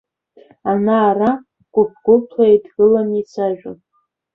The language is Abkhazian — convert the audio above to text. Ана-ара гәыԥ-гәыԥла еидгылан еицәажәон.